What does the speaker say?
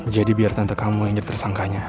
jadi biar tante kamu injur tersangkanya